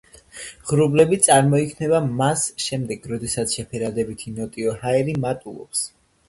ღრუბლები წარმოიქმნება მას შემდეგ, როდესაც შეფარდებითი ნოტიო ჰაერი მატულობს.